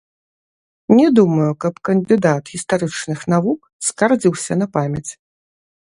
Не думаю, каб кандыдат гістарычных навук скардзіўся на памяць.